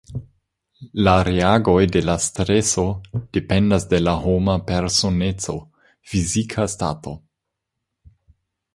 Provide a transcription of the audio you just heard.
La reagoj je la streso dependas de la homa personeco, fizika stato.